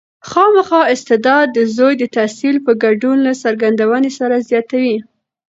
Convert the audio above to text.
خامخا استعداد د زوی د تحصیل په ګډون له څرګندونې سره زیاتوي.